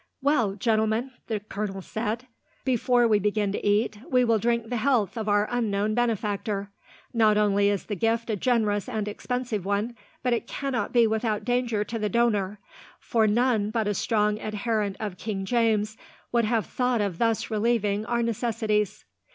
"Well, gentlemen," the colonel said, "before we begin to eat, we will drink the health of our unknown benefactor. Not only is the gift a generous and expensive one, but it cannot be without danger to the donor, for none but a strong adherent of King James would have thought of thus relieving our necessities."